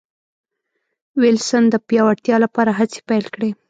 وېلسن د پیاوړتیا لپاره هڅې پیل کړې.